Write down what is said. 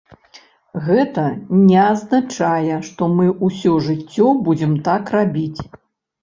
Гэта не азначае, што мы ўсё жыццё будзем так рабіць.